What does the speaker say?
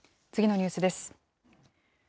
次のニュースです。